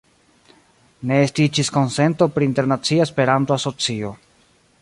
Ne estiĝis konsento pri internacia Esperanto-asocio.